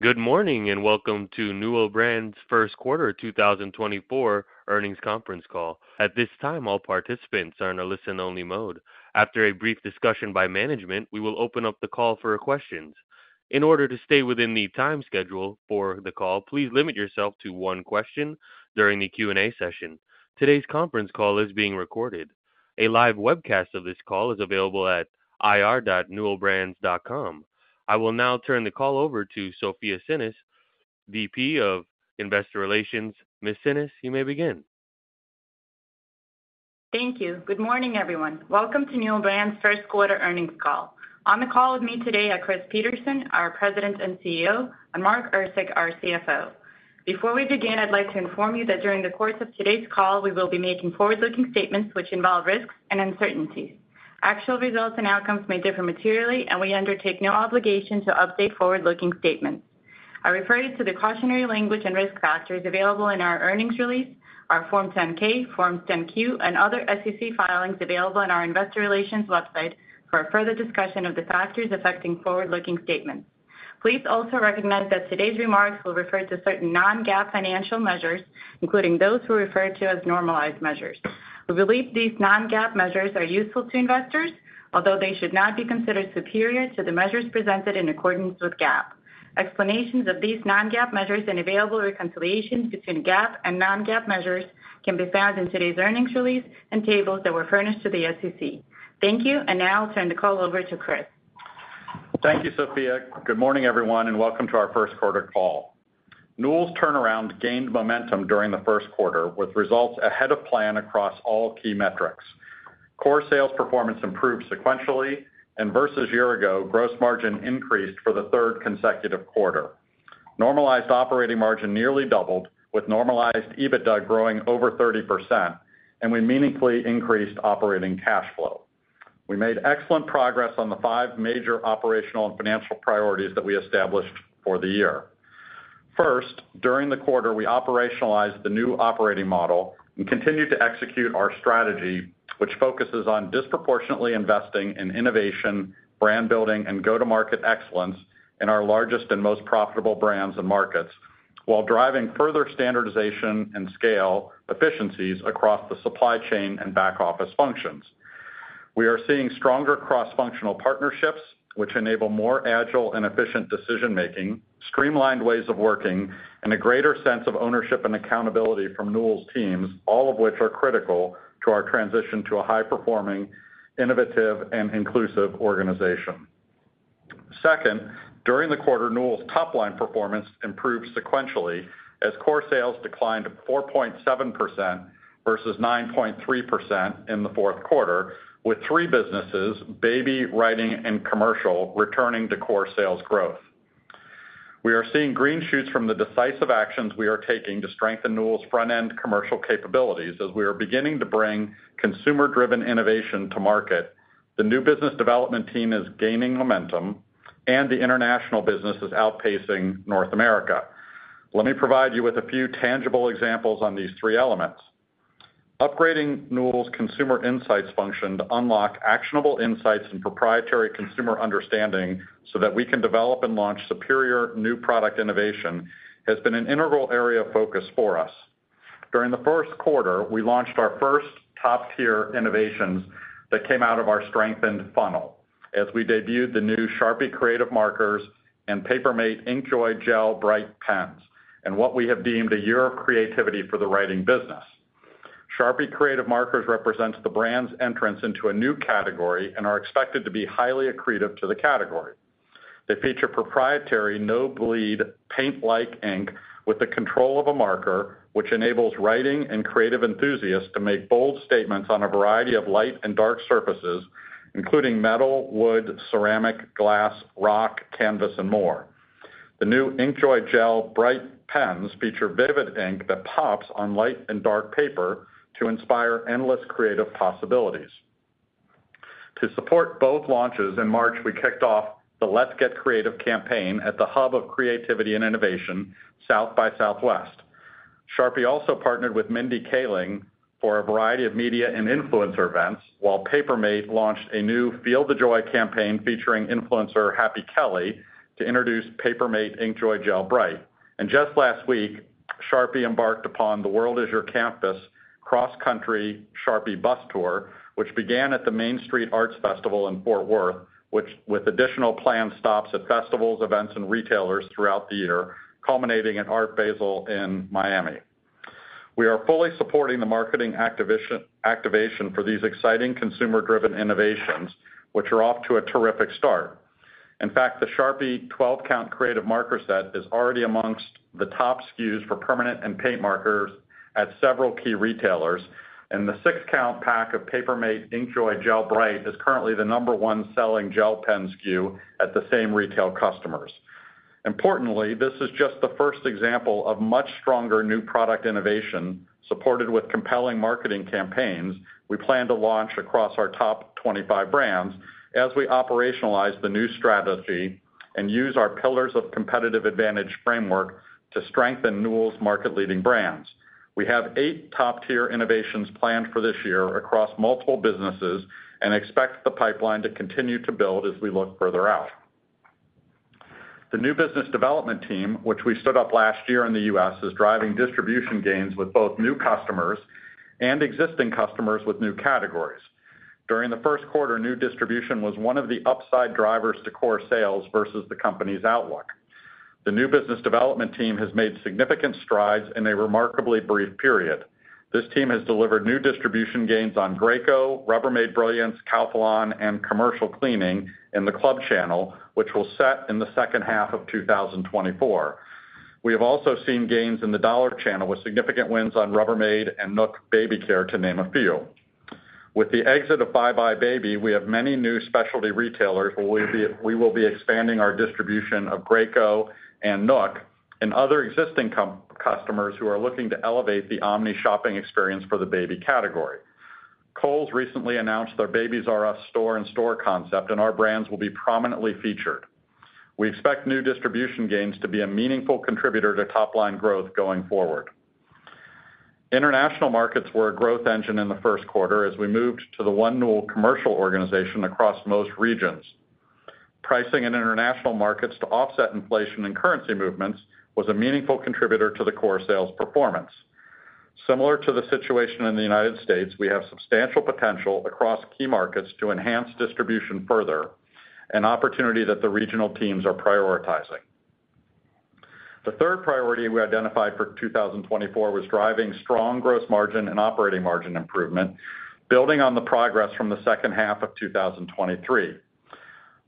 Good morning, and welcome to Newell Brands' first quarter 2024 earnings conference call. At this time, all participants are in a listen-only mode. After a brief discussion by management, we will open up the call for questions. In order to stay within the time schedule for the call, please limit yourself to one question during the Q&A session. Today's conference call is being recorded. A live webcast of this call is available at ir.newellbrands.com. I will now turn the call over to Sophia Tsinis, VP of Investor Relations. Ms. Tsinis, you may begin. Thank you. Good morning, everyone. Welcome to Newell Brands' first quarter earnings call. On the call with me today are Chris Peterson, our President and CEO, and Mark Erceg, our CFO. Before we begin, I'd like to inform you that during the course of today's call, we will be making forward-looking statements which involve risks and uncertainties. Actual results and outcomes may differ materially, and we undertake no obligation to update forward-looking statements. I refer you to the cautionary language and risk factors available in our earnings release, our Form 10-K, Form 10-Q, and other SEC filings available on our investor relations website for a further discussion of the factors affecting forward-looking statements. Please also recognize that today's remarks will refer to certain non-GAAP financial measures, including those we refer to as normalized measures. We believe these Non-GAAP measures are useful to investors, although they should not be considered superior to the measures presented in accordance with GAAP. Explanations of these Non-GAAP measures and available reconciliations between GAAP and Non-GAAP measures can be found in today's earnings release and tables that were furnished to the SEC. Thank you, and now I'll turn the call over to Chris. Thank you, Sophia. Good morning, everyone, and welcome to our first quarter call. Newell's turnaround gained momentum during the first quarter, with results ahead of plan across all key metrics. Core sales performance improved sequentially, and versus year-ago, gross margin increased for the third consecutive quarter. Normalized operating margin nearly doubled, with normalized EBITDA growing over 30%, and we meaningfully increased operating cash flow. We made excellent progress on the five major operational and financial priorities that we established for the year. First, during the quarter, we operationalized the new operating model and continued to execute our strategy, which focuses on disproportionately investing in innovation, brand building, and go-to-market excellence in our largest and most profitable brands and markets, while driving further standardization and scale efficiencies across the supply chain and back-office functions. We are seeing stronger cross-functional partnerships, which enable more agile and efficient decision-making, streamlined ways of working, and a greater sense of ownership and accountability from Newell's teams, all of which are critical to our transition to a high-performing, innovative, and inclusive organization. Second, during the quarter, Newell's top-line performance improved sequentially as core sales declined to 4.7% versus 9.3% in the fourth quarter, with three businesses, baby, writing, and commercial, returning to core sales growth. We are seeing green shoots from the decisive actions we are taking to strengthen Newell's front-end commercial capabilities. As we are beginning to bring consumer-driven innovation to market, the new business development team is gaining momentum and the international business is outpacing North America. Let me provide you with a few tangible examples on these three elements. Upgrading Newell's consumer insights function to unlock actionable insights and proprietary consumer understanding so that we can develop and launch superior new product innovation, has been an integral area of focus for us. During the first quarter, we launched our first top-tier innovations that came out of our strengthened funnel as we debuted the new Sharpie Creative Markers and Paper Mate InkJoy Gel Bright Pens, and what we have deemed a Year of Creativity for the writing business. Sharpie Creative Markers represents the brand's entrance into a new category and are expected to be highly accretive to the category. They feature proprietary, no-bleed, paint-like ink with the control of a marker, which enables writing and creative enthusiasts to make bold statements on a variety of light and dark surfaces, including metal, wood, ceramic, glass, rock, canvas, and more. The new InkJoy Gel Bright Pens feature vivid ink that pops on light and dark paper to inspire endless creative possibilities. To support both launches, in March, we kicked off the Let's Get Creative campaign at the hub of creativity and innovation, South by Southwest. Sharpie also partnered with Mindy Kaling for a variety of media and influencer events, while Paper Mate launched a new Feel the Joy campaign featuring influencer Happy Kelli to introduce Paper Mate InkJoy Gel Bright. And just last week, Sharpie embarked upon the World Is Your Campus cross-country Sharpie bus tour, which began at the Main Street Arts Festival in Fort Worth, with additional planned stops at festivals, events, and retailers throughout the year, culminating in Art Basel in Miami. We are fully supporting the marketing activation for these exciting consumer-driven innovations, which are off to a terrific start. In fact, the Sharpie 12 count Creative Marker set is already amongst the top SKUs for permanent and paint markers at several key retailers, and the six count pack of Paper Mate InkJoy Gel Bright is currently the number one selling gel pen SKU at the same retail customers. Importantly, this is just the first example of much stronger new product innovation, supported with compelling marketing campaigns we plan to launch across our top 25 brands as we operationalize the new strategy and use our pillars of competitive advantage framework to strengthen Newell's market-leading brands. We have 8 top-tier innovations planned for this year across multiple businesses and expect the pipeline to continue to build as we look further out. The new business development team, which we stood up last year in the U.S., is driving distribution gains with both new customers and existing customers with new categories. During the first quarter, new distribution was one of the upside drivers to core sales versus the company's outlook. The new business development team has made significant strides in a remarkably brief period. This team has delivered new distribution gains on Graco, Rubbermaid Brilliance, Calphalon, and commercial cleaning in the club channel, which will set in the second half of 2024. We have also seen gains in the dollar channel, with significant wins on Rubbermaid and NUK Baby Care, to name a few. With the exit of buybuy BABY, we have many new specialty retailers, where we will be expanding our distribution of Graco and Nook and other existing customers who are looking to elevate the omni shopping experience for the baby category. Kohl's recently announced their Babies "R" Us store-in-store concept, and our brands will be prominently featured. We expect new distribution gains to be a meaningful contributor to top-line growth going forward. International markets were a growth engine in the first quarter as we moved to the one Newell commercial organization across most regions. Pricing in international markets to offset inflation and currency movements was a meaningful contributor to the core sales performance. Similar to the situation in the United States, we have substantial potential across key markets to enhance distribution further, an opportunity that the regional teams are prioritizing. The third priority we identified for 2024 was driving strong gross margin and operating margin improvement, building on the progress from the second half of 2023.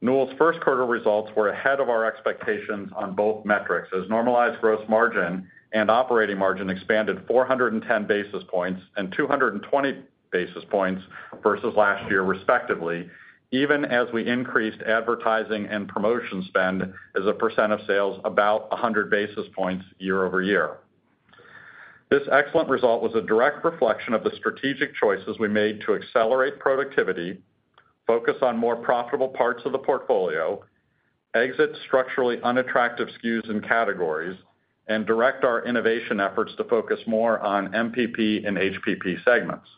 Newell's first quarter results were ahead of our expectations on both metrics, as normalized gross margin and operating margin expanded 410 basis points and 220 basis points versus last year, respectively, even as we increased advertising and promotion spend as a percent of sales, about 100 basis points year-over-year. This excellent result was a direct reflection of the strategic choices we made to accelerate productivity, focus on more profitable parts of the portfolio, exit structurally unattractive SKUs and categories, and direct our innovation efforts to focus more on MPP and HPP segments.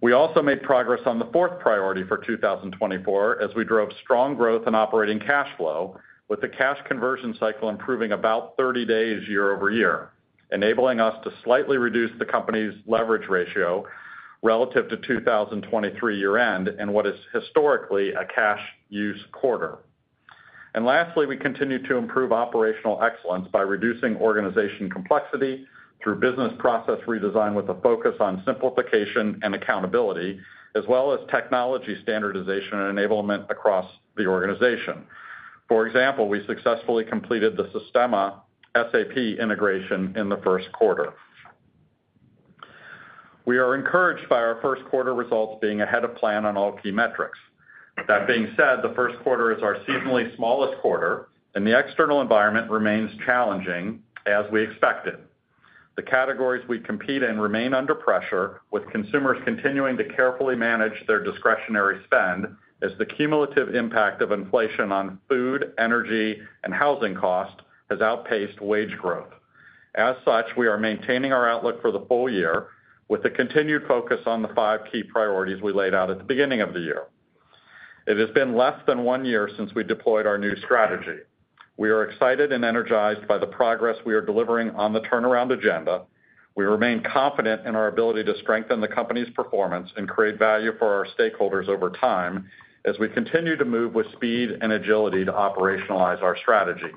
We also made progress on the fourth priority for 2024, as we drove strong growth in operating cash flow, with the cash conversion cycle improving about 30 days year-over-year, enabling us to slightly reduce the company's leverage ratio relative to 2023 year-end, in what is historically a cash use quarter. And lastly, we continued to improve operational excellence by reducing organization complexity through business process redesign, with a focus on simplification and accountability, as well as technology standardization and enablement across the organization. For example, we successfully completed the Sistema SAP integration in the first quarter. We are encouraged by our first quarter results being ahead of plan on all key metrics. That being said, the first quarter is our seasonally smallest quarter, and the external environment remains challenging as we expected. The categories we compete in remain under pressure, with consumers continuing to carefully manage their discretionary spend, as the cumulative impact of inflation on food, energy, and housing cost has outpaced wage growth. As such, we are maintaining our outlook for the full year with a continued focus on the five key priorities we laid out at the beginning of the year. It has been less than one year since we deployed our new strategy. We are excited and energized by the progress we are delivering on the turnaround agenda. We remain confident in our ability to strengthen the company's performance and create value for our stakeholders over time, as we continue to move with speed and agility to operationalize our strategy.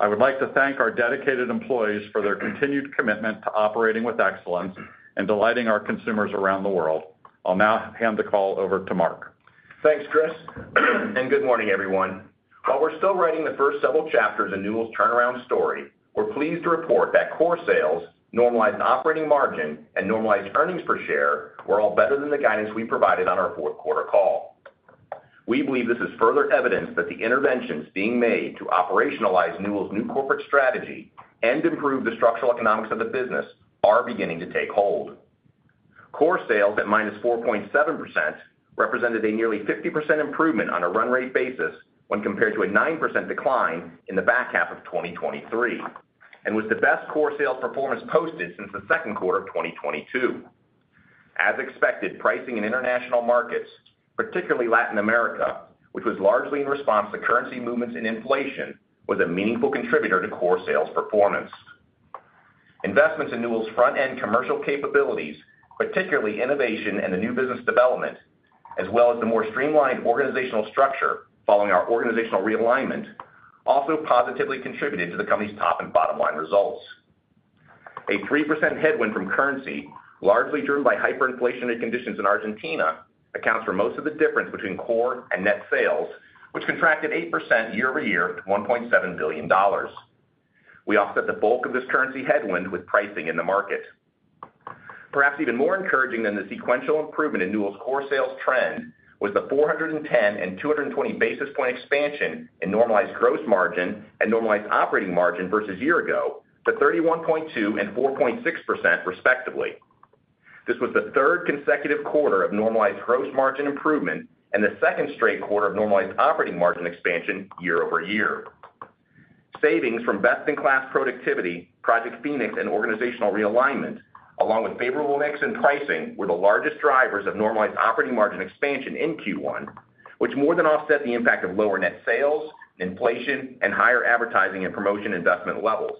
I would like to thank our dedicated employees for their continued commitment to operating with excellence and delighting our consumers around the world. I'll now hand the call over to Mark. Thanks, Chris, and good morning, everyone. While we're still writing the first several chapters in Newell's turnaround story, we're pleased to report that core sales, normalized operating margin, and normalized earnings per share were all better than the guidance we provided on our fourth quarter call. We believe this is further evidence that the interventions being made to operationalize Newell's new corporate strategy and improve the structural economics of the business are beginning to take hold. Core sales at -4.7% represented a nearly 50% improvement on a run rate basis when compared to a 9% decline in the back half of 2023, and was the best core sales performance posted since the second quarter of 2022. As expected, pricing in international markets, particularly Latin America, which was largely in response to currency movements and inflation, was a meaningful contributor to core sales performance. Investments in Newell's front-end commercial capabilities, particularly innovation and the new business development, as well as the more streamlined organizational structure following our organizational realignment, also positively contributed to the company's top and bottom line results. A 3% headwind from currency, largely driven by hyperinflationary conditions in Argentina, accounts for most of the difference between core and net sales, which contracted 8% year-over-year to $1.7 billion. We offset the bulk of this currency headwind with pricing in the market. Perhaps even more encouraging than the sequential improvement in Newell's core sales trend was the 410 and 220 basis point expansion in normalized gross margin and normalized operating margin versus year-ago to 31.2% and 4.6%, respectively. This was the third consecutive quarter of normalized gross margin improvement and the second straight quarter of normalized operating margin expansion year-over-year. Savings from best-in-class productivity, Project Phoenix, and organizational realignment, along with favorable mix and pricing, were the largest drivers of normalized operating margin expansion in Q1, which more than offset the impact of lower net sales, inflation, and higher advertising and promotion investment levels.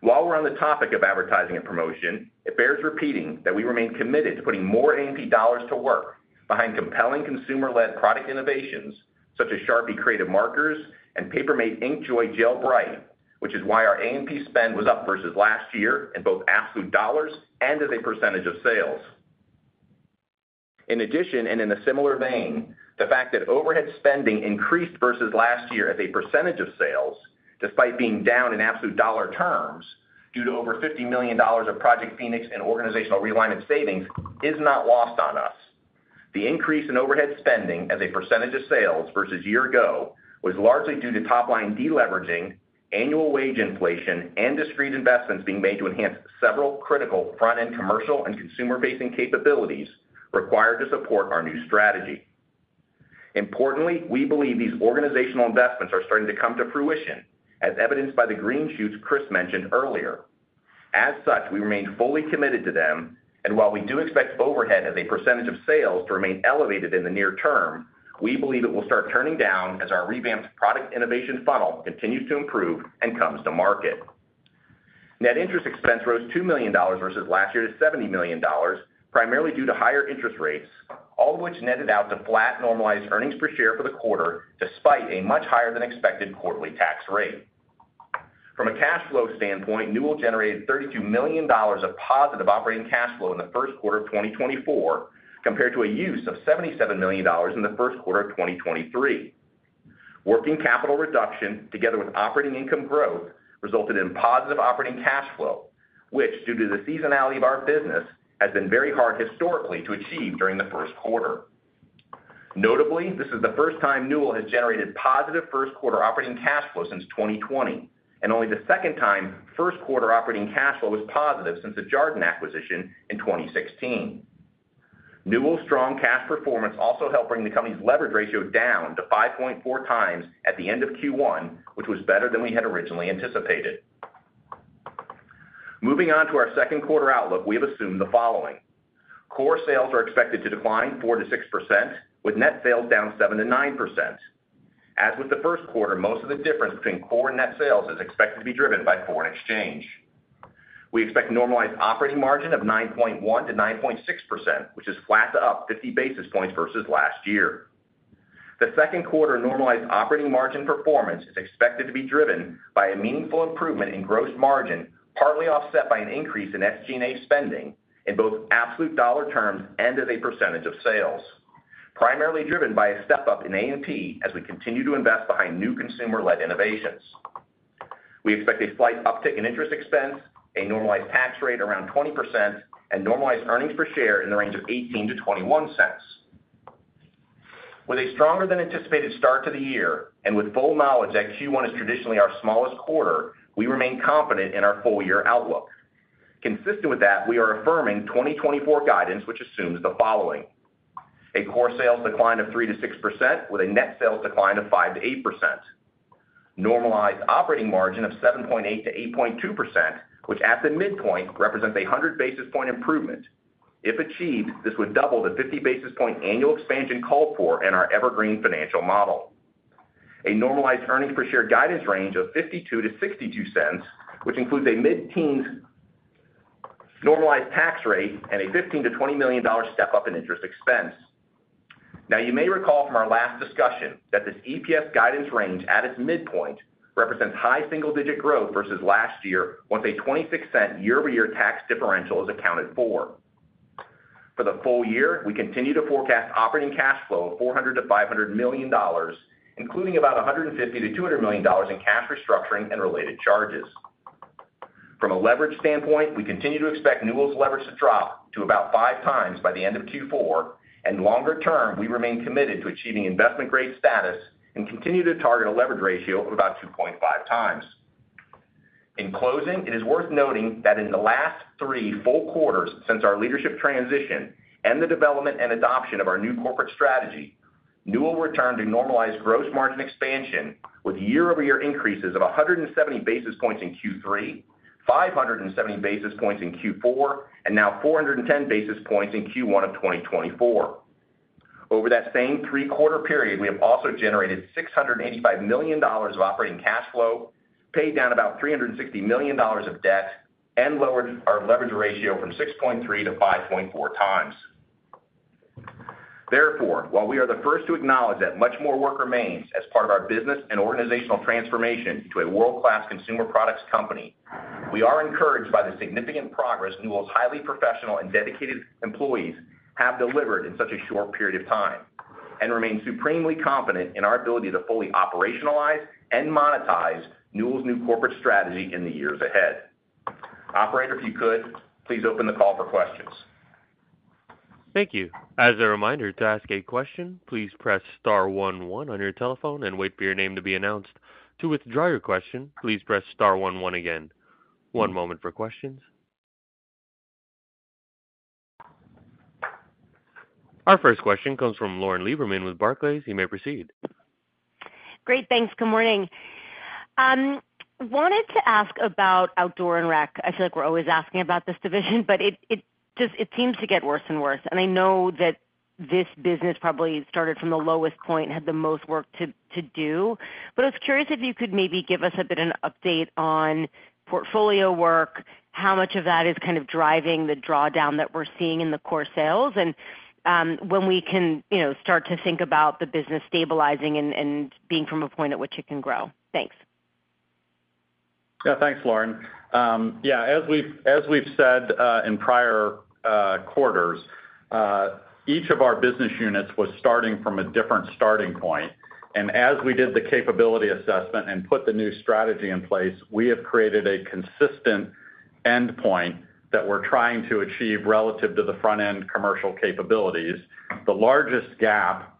While we're on the topic of advertising and promotion, it bears repeating that we remain committed to putting more A&P dollars to work behind compelling consumer-led product innovations, such as Sharpie Creative Markers and Paper Mate InkJoy Gel Bright, which is why our A&P spend was up versus last year in both absolute dollars and as a percentage of sales. In addition, and in a similar vein, the fact that overhead spending increased versus last year as a percentage of sales, despite being down in absolute dollar terms, due to over $50 million of Project Phoenix and organizational realignment savings, is not lost on us. The increase in overhead spending as a percentage of sales versus year-ago was largely due to top-line deleveraging, annual wage inflation, and discrete investments being made to enhance several critical front-end, commercial, and consumer-facing capabilities required to support our new strategy. Importantly, we believe these organizational investments are starting to come to fruition, as evidenced by the green shoots Chris mentioned earlier. As such, we remain fully committed to them, and while we do expect overhead as a percentage of sales to remain elevated in the near term, we believe it will start turning down as our revamped product innovation funnel continues to improve and comes to market. Net interest expense rose $2 million versus last year to $70 million, primarily due to higher interest rates, all of which netted out to flat normalized earnings per share for the quarter, despite a much higher-than-expected quarterly tax rate. From a cash flow standpoint, Newell generated $32 million of positive operating cash flow in the first quarter of 2024, compared to a use of $77 million in the first quarter of 2023. Working capital reduction, together with operating income growth, resulted in positive operating cash flow, which, due to the seasonality of our business, has been very hard historically to achieve during the first quarter. Notably, this is the first time Newell has generated positive first quarter operating cash flow since 2020, and only the second time first quarter operating cash flow was positive since the Jarden acquisition in 2016. Newell's strong cash performance also helped bring the company's leverage ratio down to 5.4 times at the end of Q1, which was better than we had originally anticipated. Moving on to our second quarter outlook, we have assumed the following: core sales are expected to decline 4%-6%, with net sales down 7%-9%. As with the first quarter, most of the difference between core and net sales is expected to be driven by foreign exchange. We expect normalized operating margin of 9.1%-9.6%, which is flat to up 50 basis points versus last year. The second quarter normalized operating margin performance is expected to be driven by a meaningful improvement in gross margin, partly offset by an increase in SG&A spending in both absolute dollar terms and as a percentage of sales, primarily driven by a step-up in A&P as we continue to invest behind new consumer-led innovations. We expect a slight uptick in interest expense, a normalized tax rate around 20%, and normalized earnings per share in the range of $0.18-$0.21. With a stronger-than-anticipated start to the year, and with full knowledge that Q1 is traditionally our smallest quarter, we remain confident in our full-year outlook. Consistent with that, we are affirming 2024 guidance, which assumes the following: a core sales decline of 3%-6%, with a net sales decline of 5%-8%. Normalized operating margin of 7.8%-8.2%, which at the midpoint represents a 100 basis point improvement. If achieved, this would double the 50 basis point annual expansion called for in our evergreen financial model. A normalized earnings per share guidance range of $0.52-$0.62, which includes a mid-teens normalized tax rate and a $15 million-$20 million step-up in interest expense. Now, you may recall from our last discussion that this EPS guidance range at its midpoint represents high single-digit growth versus last year, once a $0.26 year-over-year tax differential is accounted for. For the full year, we continue to forecast operating cash flow of $400 million-$500 million, including about $150 million-$200 million in cash restructuring and related charges. From a leverage standpoint, we continue to expect Newell's leverage to drop to about 5x by the end of Q4, and longer term, we remain committed to achieving investment-grade status and continue to target a leverage ratio of about 2.5x. In closing, it is worth noting that in the last three full quarters since our leadership transition and the development and adoption of our new corporate strategy, Newell returned to normalized gross margin expansion with year-over-year increases of 170 basis points in Q3, 570 basis points in Q4, and now 410 basis points in Q1 of 2024. Over that same three-quarter period, we have also generated $685 million of operating cash flow, paid down about $360 million of debt, and lowered our leverage ratio from 6.3x to 5.4x. Therefore, while we are the first to acknowledge that much more work remains as part of our business and organizational transformation to a world-class consumer products company, we are encouraged by the significant progress Newell's highly professional and dedicated employees have delivered in such a short period of time, and remain supremely confident in our ability to fully operationalize and monetize Newell's new corporate strategy in the years ahead. Operator, if you could, please open the call for questions. Thank you. As a reminder, to ask a question, please press star one one on your telephone and wait for your name to be announced. To withdraw your question, please press star one one again. One moment for questions. Our first question comes from Lauren Lieberman with Barclays. You may proceed. Great, thanks. Good morning. Wanted to ask about outdoor and rec. I feel like we're always asking about this division, but it just seems to get worse and worse. And I know that this business probably started from the lowest point, had the most work to do. But I was curious if you could maybe give us a bit, an update on portfolio work, how much of that is kind of driving the drawdown that we're seeing in the core sales, and when we can, you know, start to think about the business stabilizing and being from a point at which it can grow. Thanks. Yeah, thanks, Lauren. Yeah, as we've said in prior quarters, each of our business units was starting from a different starting point, and as we did the capability assessment and put the new strategy in place, we have created a consistent endpoint that we're trying to achieve relative to the front-end commercial capabilities. The largest gap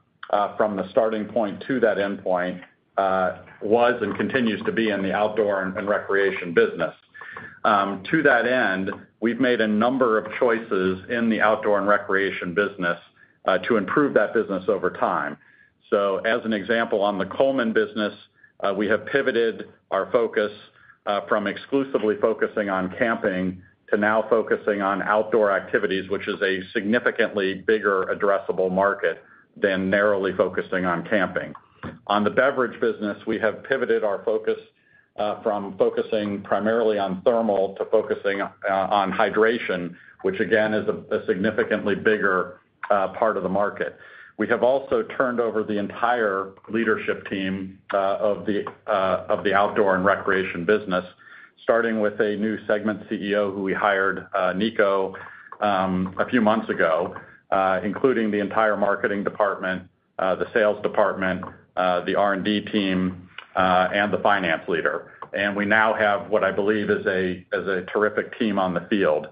from the starting point to that endpoint was and continues to be in the outdoor and recreation business. To that end, we've made a number of choices in the outdoor and recreation business to improve that business over time. So as an example, on the Coleman business, we have pivoted our focus from exclusively focusing on camping to now focusing on outdoor activities, which is a significantly bigger addressable market than narrowly focusing on camping. On the beverage business, we have pivoted our focus from focusing primarily on thermal to focusing on hydration, which again, is a significantly bigger part of the market. We have also turned over the entire leadership team of the outdoor and recreation business, starting with a new segment CEO who we hired Nico a few months ago, including the entire marketing department, the sales department, the R&D team, and the finance leader. And we now have what I believe is a terrific team on the field.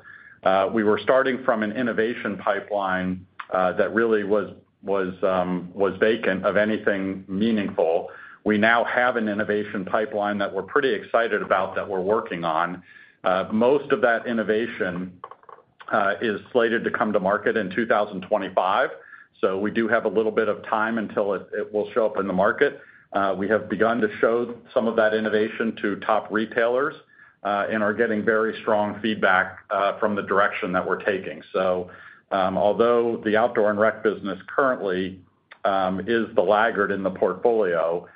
We were starting from an innovation pipeline that really was vacant of anything meaningful. We now have an innovation pipeline that we're pretty excited about that we're working on. Most of that innovation is slated to come to market in 2025, so we do have a little bit of time until it will show up in the market. We have begun to show some of that innovation to top retailers and are getting very strong feedback from the direction that we're taking. So, although the outdoor and rec business currently is the laggard in the portfolio,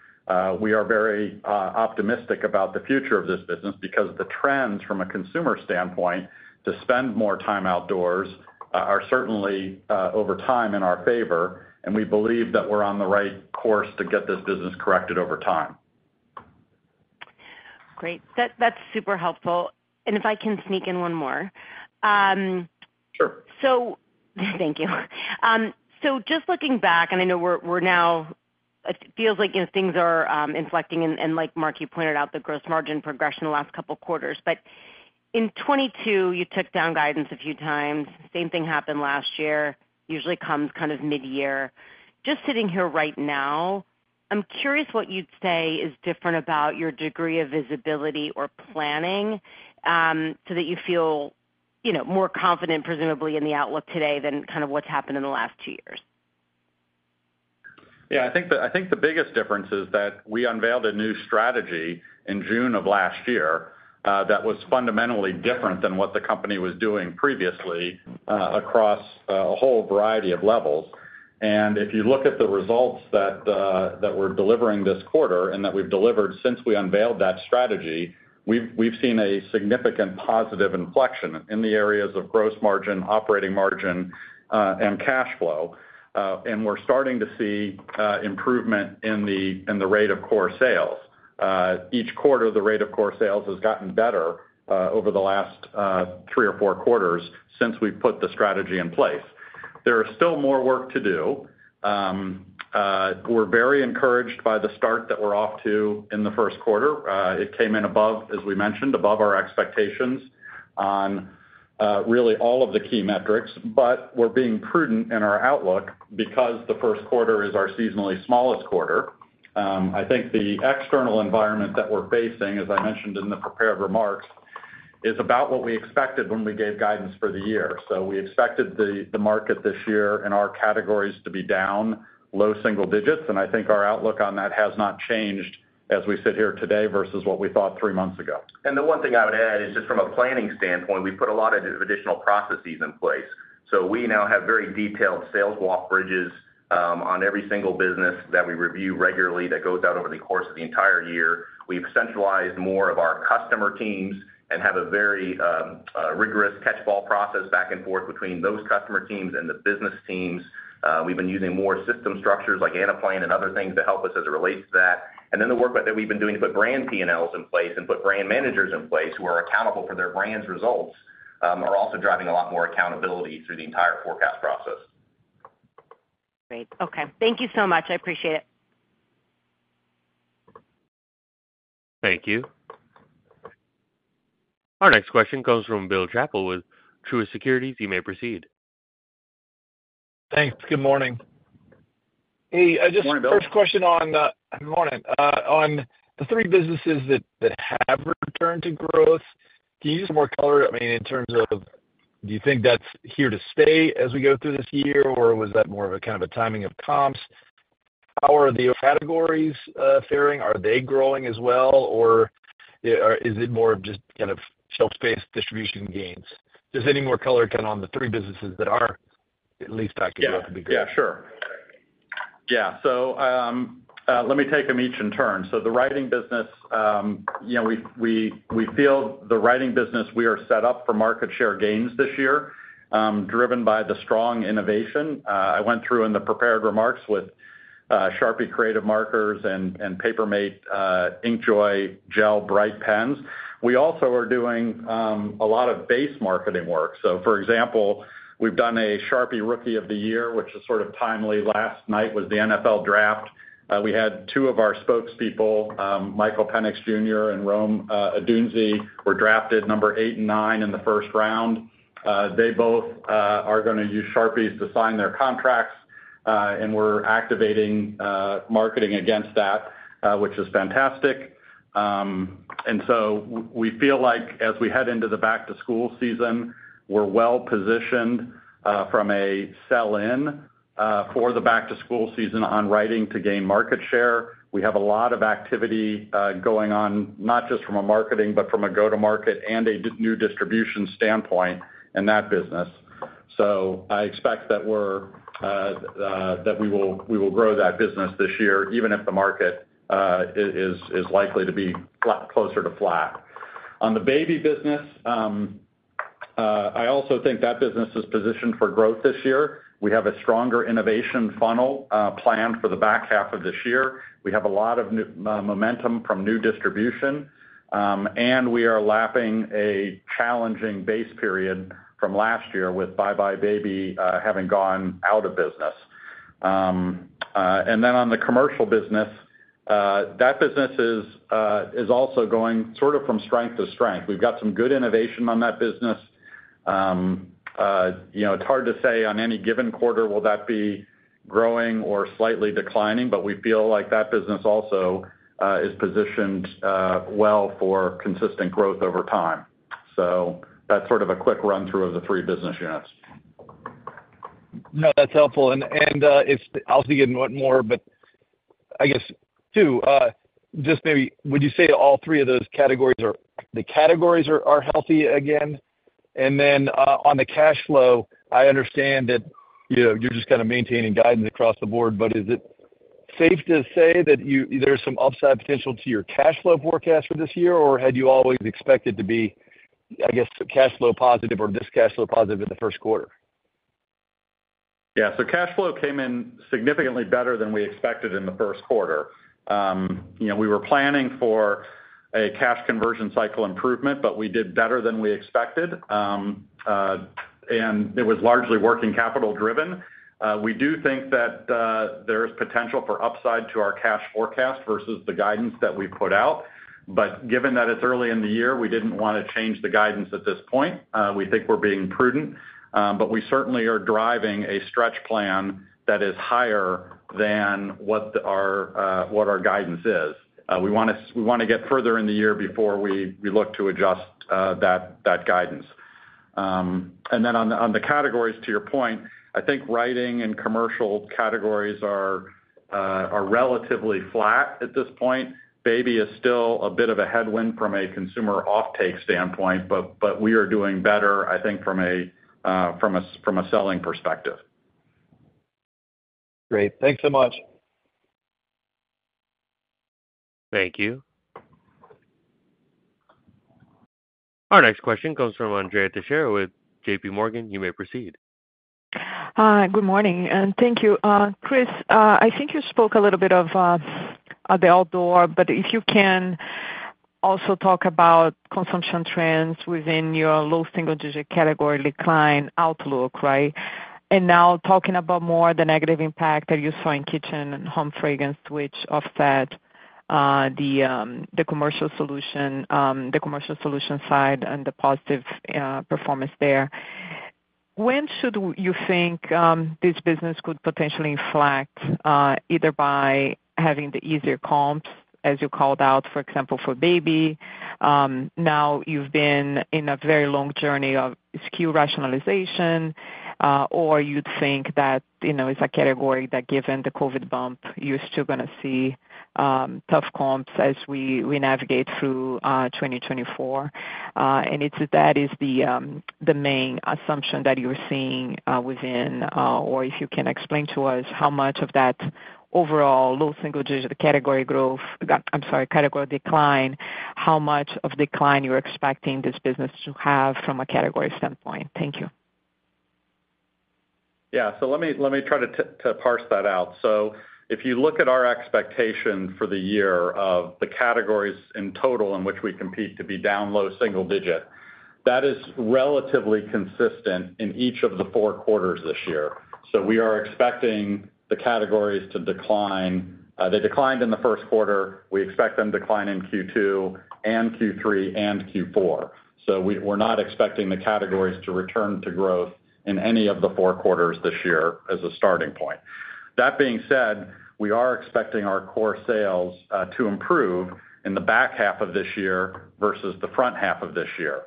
we are very optimistic about the future of this business because the trends from a consumer standpoint to spend more time outdoors are certainly over time in our favor, and we believe that we're on the right course to get this business corrected over time. Great. That, that's super helpful. And if I can sneak in one more? Sure. Thank you. So just looking back, and I know we're now, it feels like, you know, things are inflecting, and like, Mark, you pointed out the gross margin progression in the last couple of quarters. But in 2022, you took down guidance a few times. Same thing happened last year, usually comes kind of mid-year. Just sitting here right now, I'm curious what you'd say is different about your degree of visibility or planning, so that you feel, you know, more confident, presumably, in the outlook today than kind of what's happened in the last two years. Yeah, I think the biggest difference is that we unveiled a new strategy in June of last year, that was fundamentally different than what the company was doing previously, across a whole variety of levels. And if you look at the results that we're delivering this quarter and that we've delivered since we unveiled that strategy, we've seen a significant positive inflection in the areas of gross margin, operating margin, and cash flow. And we're starting to see improvement in the rate of core sales. Each quarter, the rate of core sales has gotten better over the last three or four quarters since we've put the strategy in place. There is still more work to do. We're very encouraged by the start that we're off to in the first quarter. It came in above, as we mentioned, above our expectations on really all of the key metrics, but we're being prudent in our outlook because the first quarter is our seasonally smallest quarter. I think the external environment that we're facing, as I mentioned in the prepared remarks, is about what we expected when we gave guidance for the year. So we expected the market this year in our categories to be down low single digits, and I think our outlook on that has not changed as we sit here today versus what we thought three months ago. And the one thing I would add is, just from a planning standpoint, we've put a lot of additional processes in place. So we now have very detailed sales walk bridges on every single business that we review regularly that goes out over the course of the entire year. We've centralized more of our customer teams and have a very rigorous catch ball process back and forth between those customer teams and the business teams. We've been using more system structures like Anaplan and other things to help us as it relates to that. And then the work that we've been doing to put brand P&Ls in place and put brand managers in place, who are accountable for their brands' results, are also driving a lot more accountability through the entire forecast process. Great. Okay. Thank you so much. I appreciate it. Thank you. Our next question comes from Bill Chappell with Truist Securities. You may proceed. Thanks. Good morning. Good morning, Bill. Hey, just first question on, good morning, on the three businesses that have returned to growth. Can you give us more color, I mean, in terms of, do you think that's here to stay as we go through this year? Or was that more of a kind of a timing of comps? How are the categories faring? Are they growing as well, or is it more of just kind of shelf space, distribution gains? Just any more color, kind of, on the three businesses that are at least back to growth would be great. Yeah. Yeah, sure. Yeah, so, let me take them each in turn. So the writing business, you know, we feel the writing business, we are set up for market share gains this year, driven by the strong innovation. I went through in the prepared remarks with Sharpie Creative Markers and Paper Mate InkJoy Gel Bright pens. We also are doing a lot of base marketing work. So for example, we've done a Sharpie Rookie of the Year, which is sort of timely. Last night was the NFL draft. We had two of our spokespeople, Michael Penix Jr. and Rome Odunze, were drafted number eight, nine in the first round. They both are gonna use Sharpies to sign their contracts, and we're activating marketing against that, which is fantastic. And so we feel like as we head into the back-to-school season, we're well positioned from a sell-in for the back-to-school season on writing to gain market share. We have a lot of activity going on, not just from a marketing, but from a go-to-market and a new distribution standpoint in that business. So I expect that we will grow that business this year, even if the market is likely to be flat, closer to flat. On the baby business, I also think that business is positioned for growth this year. We have a stronger innovation funnel planned for the back half of this year. We have a lot of new momentum from new distribution, and we are lapping a challenging base period from last year, with buybuy BABY having gone out of business. And then on the commercial business, that business is also going sort of from strength to strength. We've got some good innovation on that business. You know, it's hard to say on any given quarter will that be growing or slightly declining, but we feel like that business also is positioned well for consistent growth over time. So that's sort of a quick run-through of the three business units. No, that's helpful. It's... I'll dig in one more, but I guess two, just maybe, would you say all three of those categories are healthy again? And then, on the cash flow, I understand that, you know, you're just kind of maintaining guidance across the board, but is it safe to say that you, there's some upside potential to your cash flow forecast for this year, or had you always expected to be, I guess, cash flow positive or this cash flow positive in the first quarter? Yeah, so cash flow came in significantly better than we expected in the first quarter. You know, we were planning for a cash conversion cycle improvement, but we did better than we expected. And it was largely working capital driven. We do think that there is potential for upside to our cash forecast versus the guidance that we put out, but given that it's early in the year, we didn't want to change the guidance at this point. We think we're being prudent, but we certainly are driving a stretch plan that is higher than what our guidance is. We want to get further in the year before we look to adjust that guidance. And then on the categories, to your point, I think writing and commercial categories are relatively flat at this point. Baby is still a bit of a headwind from a consumer offtake standpoint, but we are doing better, I think from a selling perspective. Great. Thanks so much. Thank you. Our next question comes from Andrea Teixeira with JPMorgan. You may proceed. Good morning, and thank you. Chris, I think you spoke a little bit about outdoor, but if you can also talk about consumption trends within your low single-digit category decline outlook, right? And now talking about more the negative impact that you saw in kitchen and home fragrance, which offset the commercial solution side and the positive performance there. When do you think this business could potentially slack, either by having the easier comps, as you called out, for example, for baby? Now, you've been in a very long journey of SKU rationalization, or you'd think that, you know, it's a category that given the COVID bump, you're still gonna see tough comps as we navigate through 2024. If that is the main assumption that you're seeing within or if you can explain to us how much of that overall low single digit category growth, I'm sorry, category decline, how much of decline you're expecting this business to have from a category standpoint? Thank you. Yeah. So let me try to parse that out. So if you look at our expectation for the year of the categories in total in which we compete to be down low single digits. That is relatively consistent in each of the four quarters this year. So we are expecting the categories to decline. They declined in the first quarter. We expect them to decline in Q2 and Q3 and Q4. So we're not expecting the categories to return to growth in any of the four quarters this year as a starting point. That being said, we are expecting our Core Sales to improve in the back half of this year versus the front half of this year.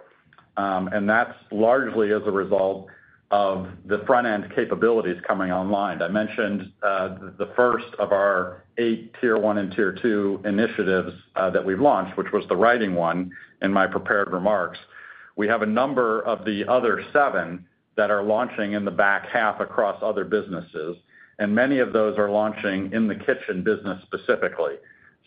And that's largely as a result of the front-end capabilities coming online. I mentioned the first of our eight Tier One and Tier Two initiatives that we've launched, which was the writing one, in my prepared remarks. We have a number of the other seven that are launching in the back half across other businesses, and many of those are launching in the kitchen business, specifically.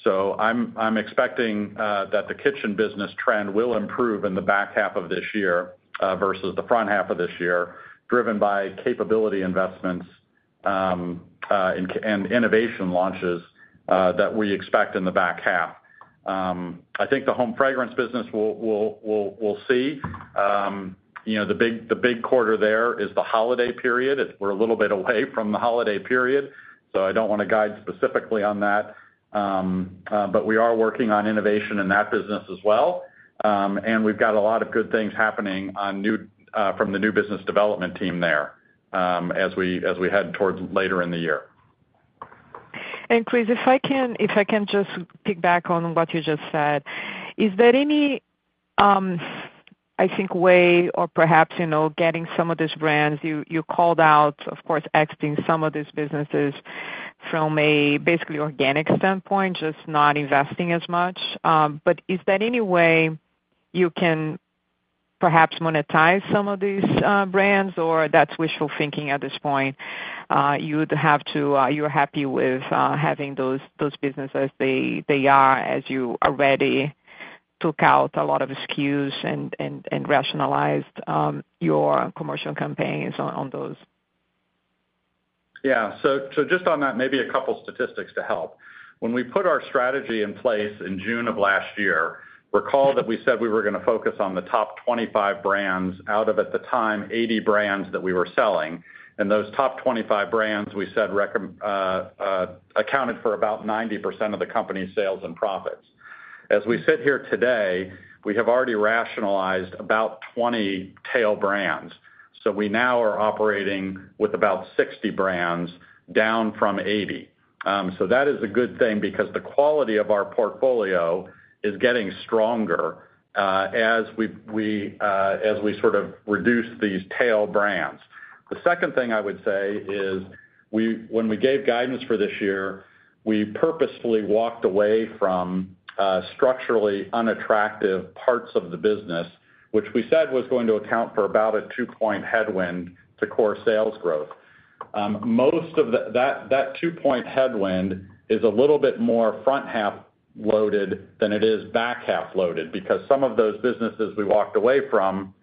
So I'm expecting that the kitchen business trend will improve in the back half of this year versus the front half of this year, driven by capability investments and innovation launches that we expect in the back half. I think the home fragrance business will see, you know, the big quarter there is the holiday period. We're a little bit away from the holiday period, so I don't want to guide specifically on that. We are working on innovation in that business as well. We've got a lot of good things happening on new from the new business development team there, as we head towards later in the year. Chris, if I can just piggyback on what you just said, is there any, I think, way or perhaps, you know, getting some of these brands you called out, of course, exiting some of these businesses from a basically organic standpoint, just not investing as much? But is there any way you can perhaps monetize some of these brands, or that's wishful thinking at this point? You'd have to, you're happy with having those businesses they are, as you already took out a lot of SKUs and rationalized your commercial campaigns on those. Yeah. So just on that, maybe a couple statistics to help. When we put our strategy in place in June of last year, recall that we said we were gonna focus on the top 25 brands out of, at the time, 80 brands that we were selling. And those top 25 brands, we said, accounted for about 90% of the company's sales and profits. As we sit here today, we have already rationalized about 20 tail brands. So we now are operating with about 60 brands, down from 80. So that is a good thing because the quality of our portfolio is getting stronger, as we sort of reduce these tail brands. The second thing I would say is we, when we gave guidance for this year, we purposefully walked away from structurally unattractive parts of the business, which we said was going to account for about a two point headwind to core sales growth. Most of that two point headwind is a little bit more front-half loaded than it is back-half loaded, because some of those businesses we walked away from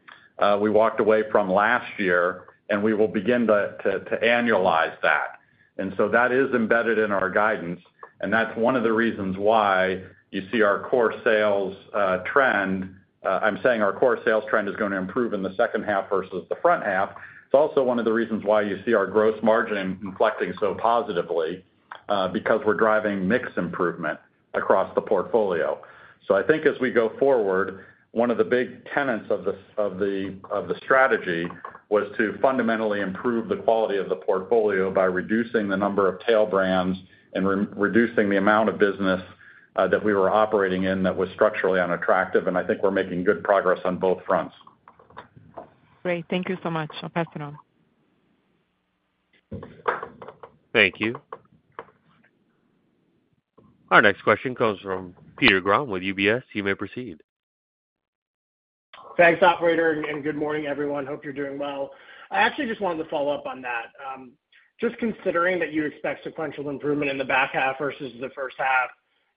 we walked away from last year, and we will begin to annualize that. And so that is embedded in our guidance, and that's one of the reasons why you see our core sales trend. I'm saying our core sales trend is going to improve in the second half versus the front half. It's also one of the reasons why you see our gross margin inflecting so positively, because we're driving mix improvement across the portfolio. So I think as we go forward, one of the big tenets of the strategy was to fundamentally improve the quality of the portfolio by reducing the number of tail brands and reducing the amount of business that we were operating in that was structurally unattractive, and I think we're making good progress on both fronts. Great. Thank you so much. I'll pass it on. Thank you. Our next question comes from Peter Grom with UBS. You may proceed. Thanks, operator, and good morning, everyone. Hope you're doing well. I actually just wanted to follow up on that. Just considering that you expect sequential improvement in the back half versus the first half,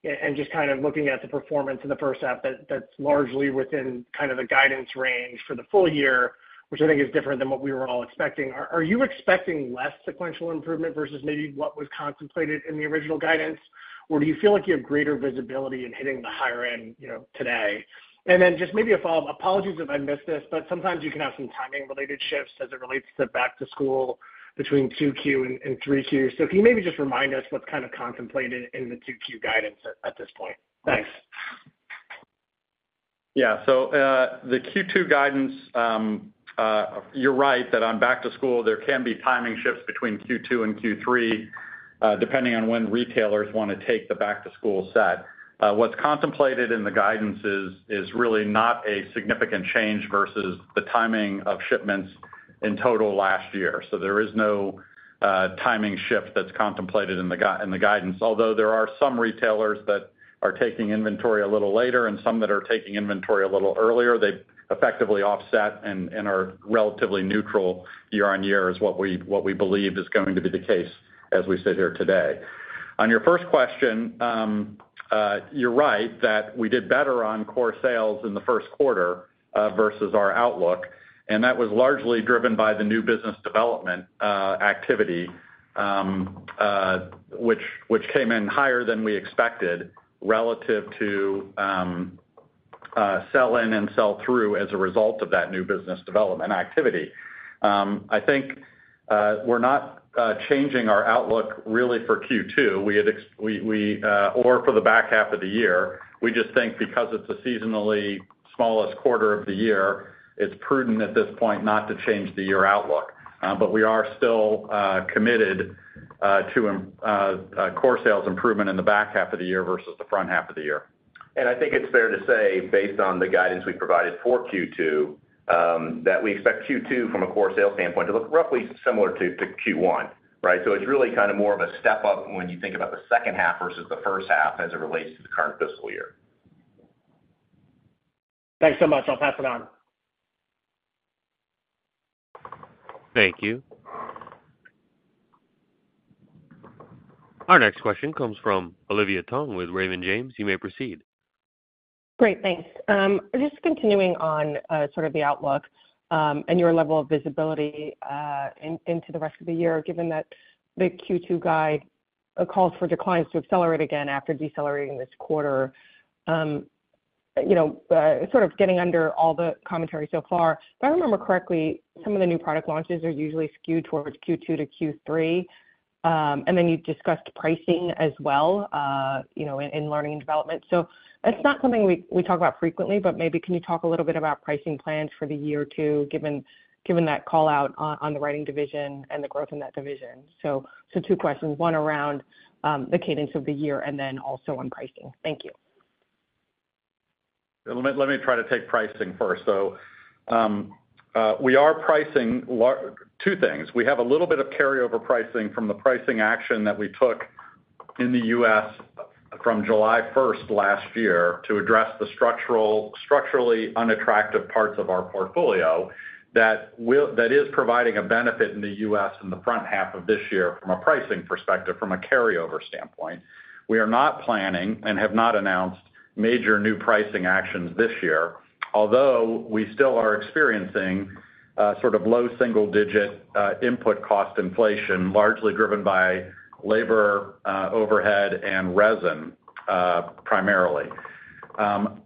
and just kind of looking at the performance in the first half, that's largely within kind of the guidance range for the full year, which I think is different than what we were all expecting. Are you expecting less sequential improvement versus maybe what was contemplated in the original guidance? Or do you feel like you have greater visibility in hitting the higher end, you know, today? And then just maybe a follow-up, apologies if I missed this, but sometimes you can have some timing-related shifts as it relates to back to school between 2Q and 3Q. Can you maybe just remind us what's kind of contemplated in the 2Q guidance at this point? Thanks. Yeah. So, the Q2 guidance, you're right that on back to school, there can be timing shifts between Q2 and Q3, depending on when retailers want to take the back to school set. What's contemplated in the guidance is really not a significant change versus the timing of shipments in total last year. So there is no timing shift that's contemplated in the guidance. Although there are some retailers that are taking inventory a little later and some that are taking inventory a little earlier, they've effectively offset and are relatively neutral year-on-year, is what we believe is going to be the case as we sit here today. On your first question, you're right that we did better on core sales in the first quarter versus our outlook, and that was largely driven by the new business development activity, which came in higher than we expected relative to sell-in and sell-through as a result of that new business development activity. I think we're not changing our outlook really for Q2 or for the back half of the year. We just think because it's a seasonally smallest quarter of the year, it's prudent at this point not to change the year outlook. But we are still committed to core sales improvement in the back half of the year versus the front half of the year. I think it's fair to say, based on the guidance we provided for Q2, that we expect Q2 from a core sales standpoint, to look roughly similar to, to Q1, right? So it's really kind of more of a step up when you think about the second half versus the first half, as it relates to the current fiscal year. Thanks so much. I'll pass it on. Thank you. Our next question comes from Olivia Tong with Raymond James. You may proceed. Great, thanks. Just continuing on, sort of the outlook, and your level of visibility, into the rest of the year, given that the Q2 guide calls for declines to accelerate again after decelerating this quarter. You know, sort of getting under all the commentary so far, if I remember correctly, some of the new product launches are usually skewed towards Q2 to Q3. And then you discussed pricing as well, you know, in learning and development. So that's not something we talk about frequently, but maybe can you talk a little bit about pricing plans for the year too, given that call out on the Writing division and the growth in that division? So two questions, one around the cadence of the year and then also on pricing. Thank you. Let me try to take pricing first. So, we are pricing two things. We have a little bit of carryover pricing from the pricing action that we took in the U.S. from July first last year to address the structurally unattractive parts of our portfolio, that is providing a benefit in the U.S. in the front half of this year from a pricing perspective, from a carryover standpoint. We are not planning and have not announced major new pricing actions this year, although we still are experiencing sort of low single digit input cost inflation, largely driven by labor, overhead and resin, primarily.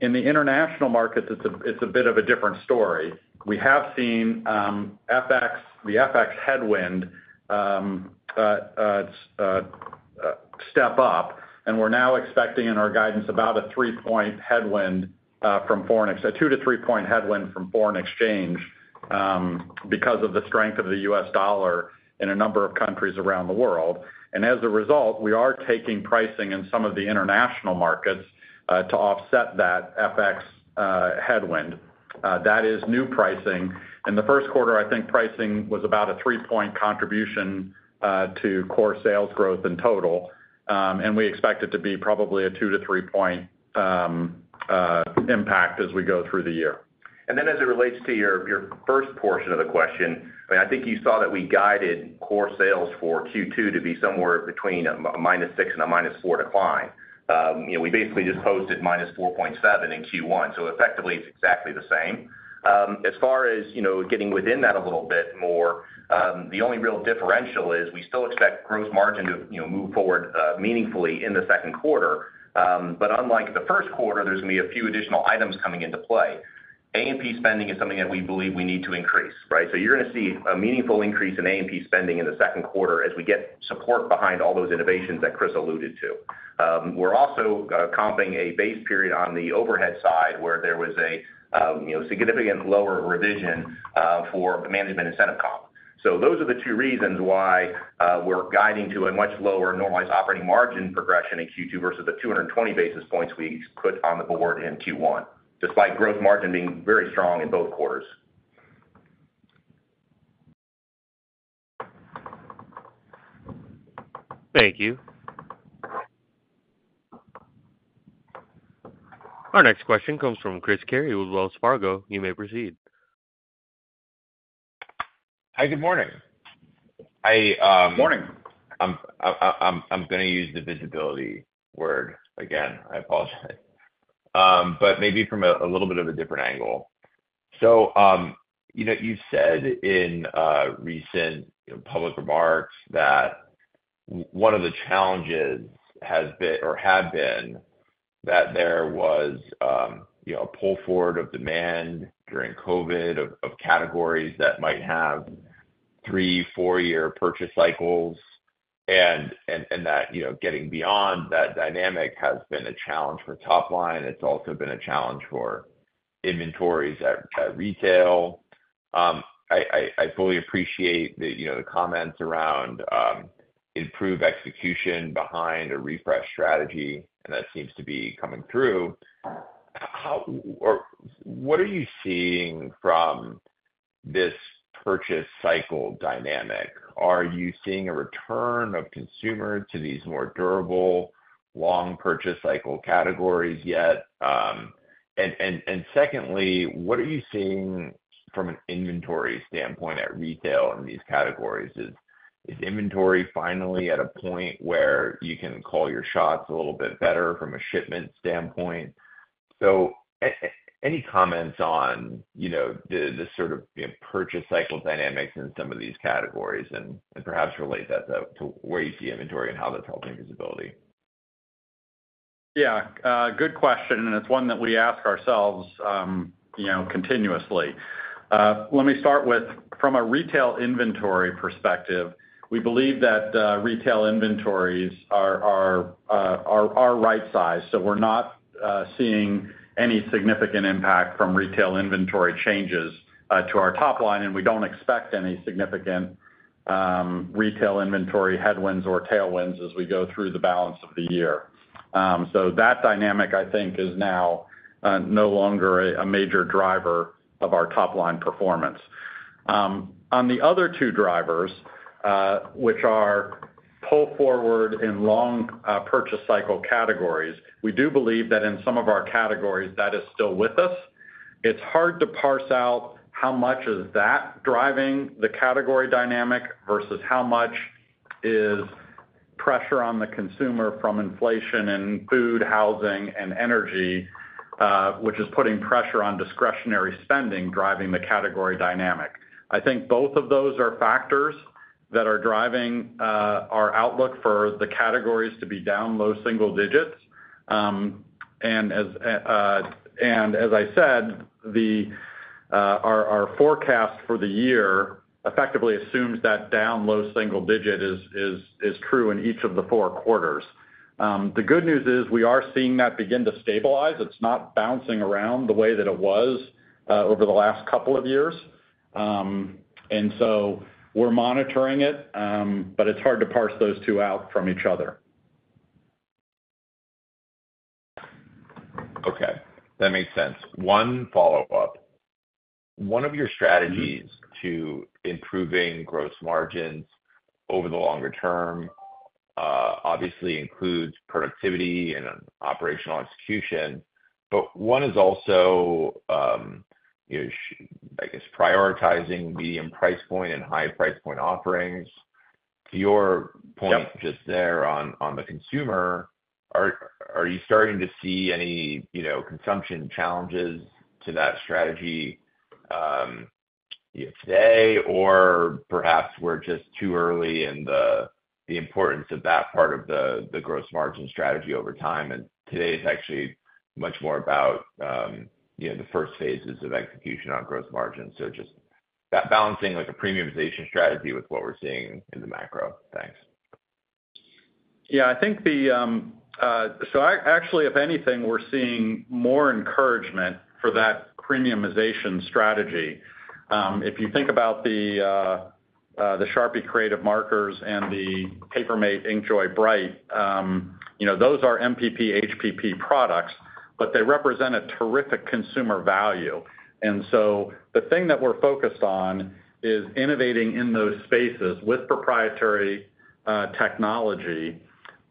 In the international markets, it's a bit of a different story. We have seen FX, the FX headwind step up, and we're now expecting in our guidance about a three point headwind from foreign exchange, a two to three point headwind from foreign exchange, because of the strength of the U.S. dollar in a number of countries around the world. As a result, we are taking pricing in some of the international markets to offset that FX headwind. That is new pricing. In the first quarter, I think pricing was about a three point contribution to core sales growth in total. We expect it to be probably a two to three point impact as we go through the year. And then as it relates to your first portion of the question, I think you saw that we guided Core Sales for Q2 to be somewhere between a -6% and a -4% decline. You know, we basically just posted -4.7% in Q1, so effectively it's exactly the same. As far as, you know, getting within that a little bit more, the only real differential is we still expect Gross Margin to, you know, move forward, meaningfully in the second quarter. But unlike the first quarter, there's going to be a few additional items coming into play. A&P spending is something that we believe we need to increase, right? So you're gonna see a meaningful increase in A&P spending in the second quarter as we get support behind all those innovations that Chris alluded to. We're also comping a base period on the overhead side, where there was, you know, significant lower revision for management incentive comp. So those are the two reasons why we're guiding to a much lower normalized operating margin progression in Q2 versus the 220 basis points we put on the board in Q1, despite gross margin being very strong in both quarters. Thank you. Our next question comes from Chris Carey with Wells Fargo. You may proceed. Hi, good morning. Morning. I'm gonna use the visibility word again, I apologize. But maybe from a little bit of a different angle. So, you know, you've said in recent, you know, public remarks that one of the challenges has been or had been, that there was, you know, a pull forward of demand during COVID of categories that might have three, four year purchase cycles, and that, you know, getting beyond that dynamic has been a challenge for top line. It's also been a challenge for inventories at retail. I fully appreciate that, you know, the comments around improved execution behind a refresh strategy, and that seems to be coming through. How or what are you seeing from this purchase cycle dynamic? Are you seeing a return of consumer to these more durable, long purchase cycle categories yet? And secondly, what are you seeing from an inventory standpoint at retail in these categories? Is inventory finally at a point where you can call your shots a little bit better from a shipment standpoint? So any comments on, you know, the sort of, you know, purchase cycle dynamics in some of these categories, and perhaps relate that to where you see inventory and how that's helping visibility? Yeah, good question, and it's one that we ask ourselves, you know, continuously. Let me start with, from a retail inventory perspective, we believe that retail inventories are right sized. So we're not seeing any significant impact from retail inventory changes to our top line, and we don't expect any significant retail inventory headwinds or tailwinds as we go through the balance of the year. So that dynamic, I think, is now no longer a major driver of our top-line performance. On the other two drivers, which are pull forward in long purchase cycle categories, we do believe that in some of our categories, that is still with us. It's hard to parse out how much is that driving the category dynamic versus how much is pressure on the consumer from inflation in food, housing, and energy, which is putting pressure on discretionary spending, driving the category dynamic. I think both of those are factors that are driving our outlook for the categories to be down low single digits. And as I said, our forecast for the year effectively assumes that down low single digit is true in each of the four quarters. The good news is we are seeing that begin to stabilize. It's not bouncing around the way that it was over the last couple of years. And so we're monitoring it, but it's hard to parse those two out from each other. Okay, that makes sense. One follow-up. One of your strategies. Mm-hmm. To improving gross margins over the longer term, obviously includes productivity and operational execution. But one is also, you know, I guess, prioritizing medium price point and high price point offerings. To your point. Yep. Just there on the consumer, are you starting to see any, you know, consumption challenges to that strategy, you know, today, or perhaps we're just too early in the importance of that part of the gross margin strategy over time, and today is actually much more about, you know, the first phases of execution on gross margin? So just that balancing, like a premiumization strategy with what we're seeing in the macro. Thanks. Yeah, I think actually, if anything, we're seeing more encouragement for that premiumization strategy. If you think about the Sharpie Creative Markers and the Paper Mate InkJoy Bright, you know, those are MPP, HPP products, but they represent a terrific consumer value. And so the thing that we're focused on is innovating in those spaces with proprietary technology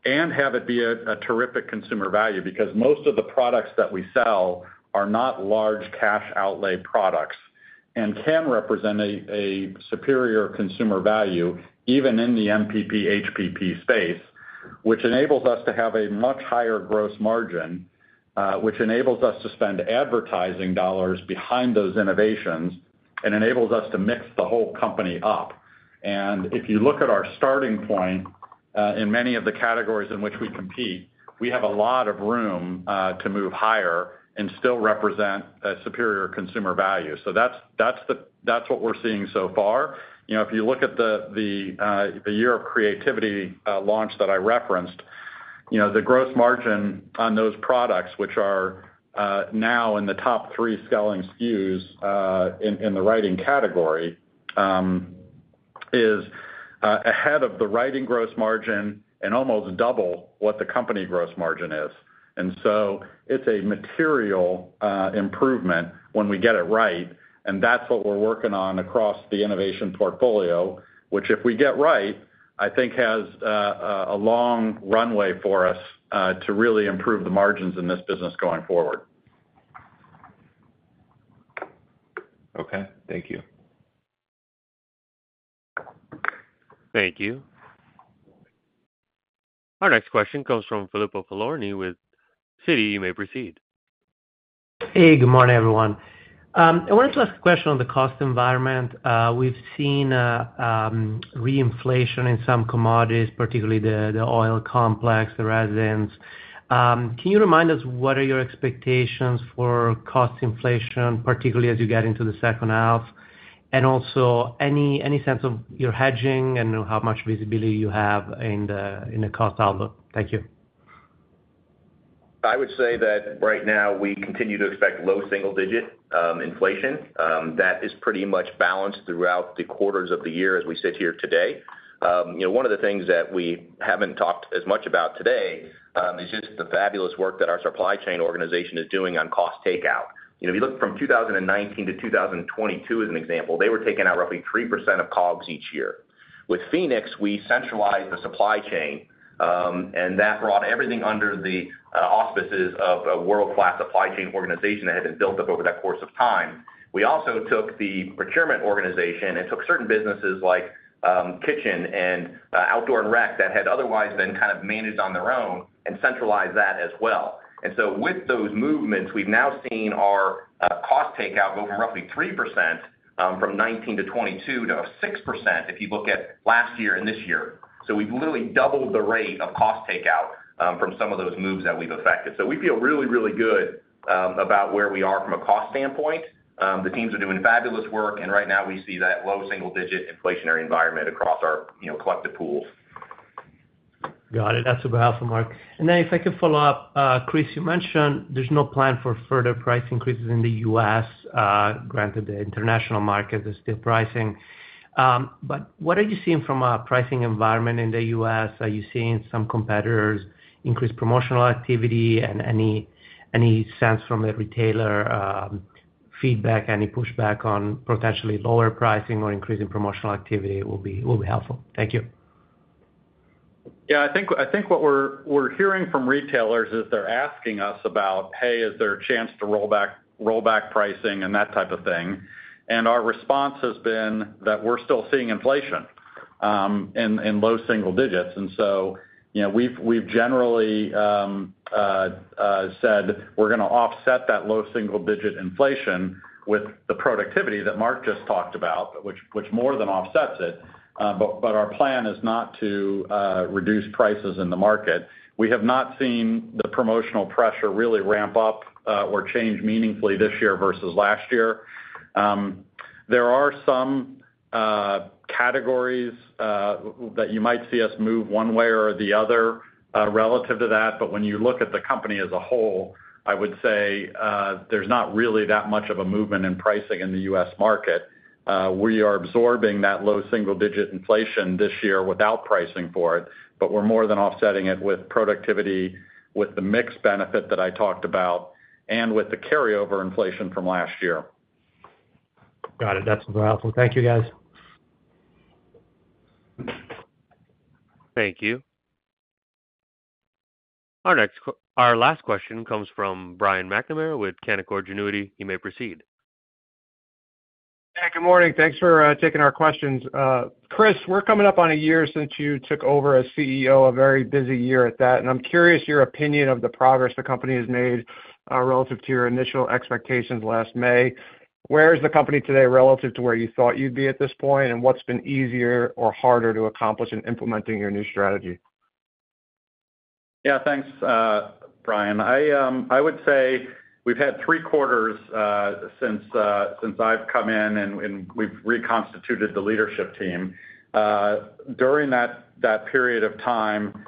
and have it be a terrific consumer value. Because most of the products that we sell are not large cash outlay products and can represent a superior consumer value, even in the MPP, HPP space, which enables us to have a much higher gross margin, which enables us to spend advertising dollars behind those innovations and enables us to mix the whole company up. And if you look at our starting point, in many of the categories in which we compete, we have a lot of room to move higher and still represent a superior consumer value. So that's what we're seeing so far. You know, if you look at the year of creativity launch that I referenced, you know, the gross margin on those products, which are now in the top three selling SKUs in the writing category, is ahead of the writing gross margin and almost double what the company gross margin is. And so it's a material improvement when we get it right, and that's what we're working on across the innovation portfolio, which, if we get right, I think has a long runway for us to really improve the margins in this business going forward. Okay, thank you. Thank you. Our next question comes from Filippo Falorni with Citi. You may proceed. Hey, good morning, everyone. I wanted to ask a question on the cost environment. We've seen reinflation in some commodities, particularly the oil complex, the resins. Can you remind us, what are your expectations for cost inflation, particularly as you get into the second half? And also, any sense of your hedging and how much visibility you have in the cost outlook? Thank you. I would say that right now, we continue to expect low single-digit inflation. That is pretty much balanced throughout the quarters of the year as we sit here today. You know, one of the things that we haven't talked as much about today is just the fabulous work that our supply chain organization is doing on cost takeout. You know, if you look from 2019 to 2022, as an example, they were taking out roughly 3% of COGS each year. With Phoenix, we centralized the supply chain, and that brought everything under the auspices of a world-class supply chain organization that had been built up over that course of time. We also took the procurement organization and took certain businesses like, kitchen and, outdoor and rec, that had otherwise been kind of managed on their own and centralized that as well. So with those movements, we've now seen our, cost takeout go from roughly 3%, from 2019 to 2022, to 6%, if you look at last year and this year. So we've literally doubled the rate of cost takeout, from some of those moves that we've affected. So we feel really, really good, about where we are from a cost standpoint. The teams are doing fabulous work, and right now we see that low single-digit inflationary environment across our, you know, collective pools. Got it. That's super helpful, Mark. Then if I could follow up, Chris, you mentioned there's no plan for further price increases in the U.S., granted, the international market is still pricing. But what are you seeing from a pricing environment in the U.S.? Are you seeing some competitors increase promotional activity? And any sense from a retailer feedback, any pushback on potentially lower pricing or increasing promotional activity will be helpful. Thank you. Yeah, I think what we're hearing from retailers is they're asking us about, "Hey, is there a chance to roll back pricing?" And that type of thing. And our response has been that we're still seeing inflation in low single digits. And so, you know, we've generally said we're gonna offset that low single-digit inflation with the productivity that Mark just talked about, which more than offsets it. But our plan is not to reduce prices in the market. We have not seen the promotional pressure really ramp up or change meaningfully this year versus last year. There are some categories that you might see us move one way or the other, relative to that, but when you look at the company as a whole, I would say, there's not really that much of a movement in pricing in the U.S. market. We are absorbing that low single-digit inflation this year without pricing for it, but we're more than offsetting it with productivity, with the mix benefit that I talked about, and with the carryover inflation from last year. Got it. That's super helpful. Thank you, guys. Thank you. Our next, our last question comes from Brian McNamara with Canaccord Genuity. You may proceed. Hey, good morning. Thanks for taking our questions. Chris, we're coming up on a year since you took over as CEO, a very busy year at that, and I'm curious your opinion of the progress the company has made, relative to your initial expectations last May. Where is the company today relative to where you thought you'd be at this point? And what's been easier or harder to accomplish in implementing your new strategy? Yeah, thanks, Brian. I would say we've had three quarters since I've come in, and we've reconstituted the leadership team. During that period of time,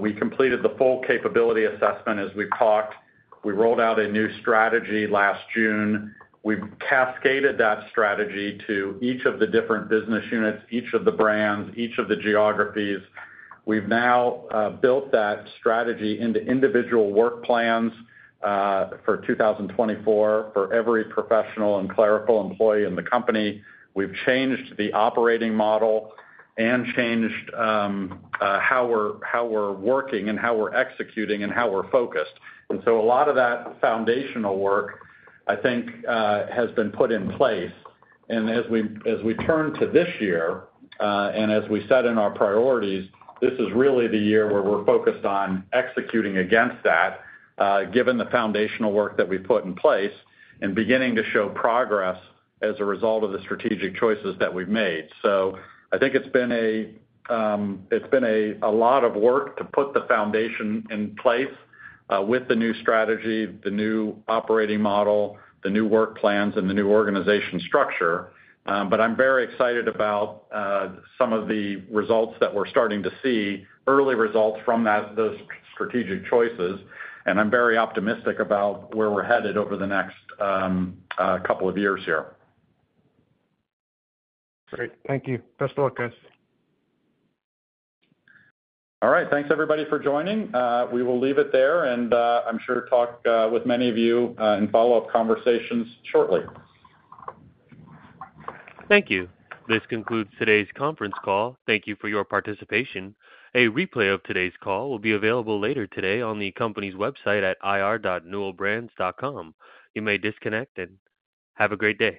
we completed the full capability assessment, as we've talked. We rolled out a new strategy last June. We've cascaded that strategy to each of the different business units, each of the brands, each of the geographies. We've now built that strategy into individual work plans for 2024, for every professional and clerical employee in the company. We've changed the operating model and changed how we're working, and how we're executing and how we're focused. And so a lot of that foundational work, I think, has been put in place. As we turn to this year, and as we said in our priorities, this is really the year where we're focused on executing against that, given the foundational work that we've put in place, and beginning to show progress as a result of the strategic choices that we've made. I think it's been a lot of work to put the foundation in place, with the new strategy, the new operating model, the new work plans, and the new organization structure. But I'm very excited about some of the results that we're starting to see, early results from that, those strategic choices, and I'm very optimistic about where we're headed over the next couple of years here. Great. Thank you. Best of luck, guys. All right. Thanks, everybody, for joining. We will leave it there, and, I'm sure talk with many of you in follow-up conversations shortly. Thank you. This concludes today's conference call. Thank you for your participation. A replay of today's call will be available later today on the company's website at ir.newellbrands.com. You may disconnect, and have a great day.